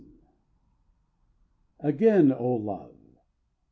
i. Again, O Love!